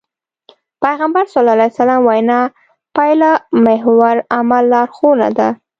پيغمبر ص وينا پايلهمحور عمل لارښوونه ده.